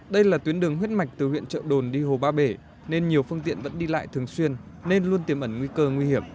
đây là tuyến đường huyết mạch từ huyện trợ đồn đi hồ ba bể nên nhiều phương tiện vẫn đi lại thường xuyên nên luôn tiềm ẩn nguy cơ nguy hiểm